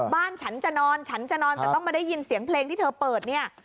บ้านฉันจะนอนฉันจะนอนแต่ต้องมาได้ยินเสียงเพลงที่เธอเปิดเนี่ย